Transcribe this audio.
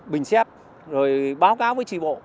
bình xét rồi báo cáo với trì bộ